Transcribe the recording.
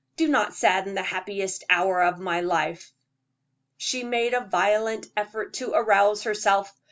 Do not sadden the happiest hour of my life." She made a violent effort to arouse herself.